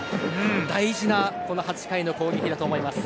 大事な８回の攻撃だと思います。